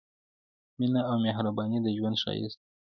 مينه او مهرباني د ژوند ښايست دی